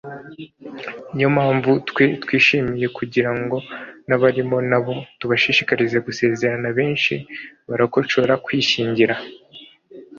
Ni yo mpamvu twe twishimye kugira ngo n’abarimo na bo tubashishikarize gusezerana…benshi barakocora (kwishyingira)